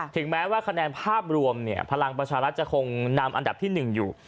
ถึงแม้ว่าคะแนนภาพรวมพลังประชารัฐจะคงนำอันดับที่๑อยู่